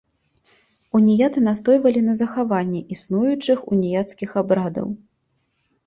Уніяты настойвалі на захаванні існуючых уніяцкіх абрадаў.